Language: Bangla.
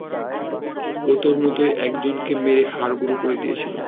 ও তোর মতোই একজনকে মেরে হাঁড় গুঁড়ো করে দিয়েছিল।